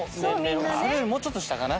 それよりもうちょっと下かな。